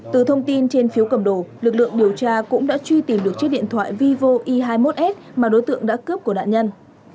từ thông tin trên phiếu cầm đồ lực lượng điều tra cũng đã truy tìm được chiếc điện thoại vivo e hai mươi một s mà đối tượng đã cướp của nạn nhân